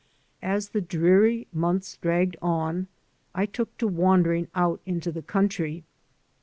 As the dreary months dragged on I took to wandering out into the country.